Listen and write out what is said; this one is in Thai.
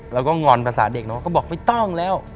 งอนภาษาเด็กเนอะก็บอกไม่ต้องแล้ว